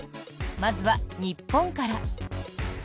まずは日本から。